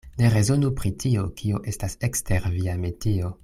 Ne rezonu pri tio, kio estas ekster via metio.